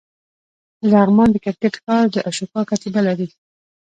د لغمان د کرکټ ښار د اشوکا کتیبه لري